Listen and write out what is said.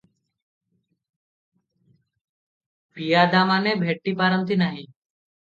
ପିଆଦାମାନେ ଭେଟି ପାରନ୍ତି ନାହିଁ ।